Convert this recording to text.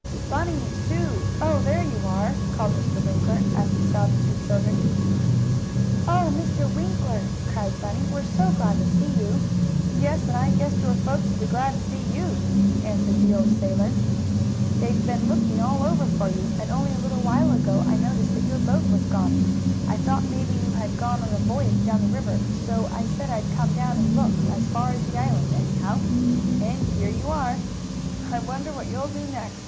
"Bunny! Sue! Oh, there you are!" called Mr. Winkler as he saw the two children. "Oh, Mr. Winkler!" cried Bunny. "We're so glad to see you!" "Yes, and I guess your folks will be glad to see YOU!" answered the old sailor. "They've been looking all over for you, and only a little while ago I noticed that your boat was gone. I thought maybe you had gone on a voyage down the river, so I said I'd come down and look, as far as the island, anyhow. And here you are! "I wonder what you'll do next?